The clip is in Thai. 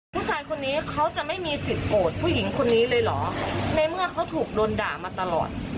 ผู้ชายคนนี้เขาจะไม่มีสิทธิโกรธผู้หญิงคนนี้เลยเหรอในเมื่อเขาถูกโดนด่ามาตลอด